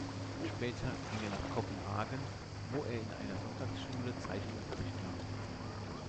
Später ging er nach Kopenhagen, wo er in einer Sonntagsschule Zeichenunterricht nahm.